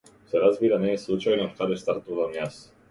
Се разбира, не е случајно од каде стартувам јас.